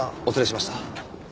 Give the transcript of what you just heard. お連れしました。